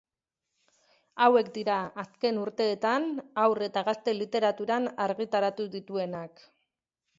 Hauek dira azken urteetan Haur eta Gazte Literaturan argitaratu dituenak.